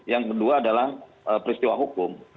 yang kedua adalah peristiwa hukum